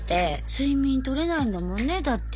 睡眠取れないんだもんねだって。